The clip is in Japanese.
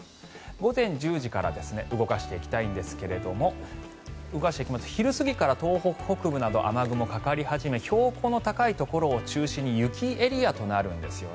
午前１０時から動かしていきたいんですが動かしていきますと昼過ぎから東北北部など雨雲がかかり始め標高の高いところを中心に雪エリアとなります。